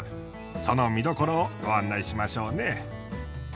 その見どころをご案内しましょうね。